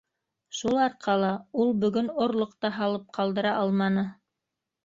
Шул арҡала ул бөгөн орлоҡ та һалып ҡалдыра алманы.